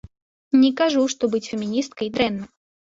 Не кажу, што быць феміністкай дрэнна.